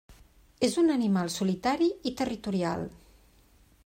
És un animal solitari i territorial.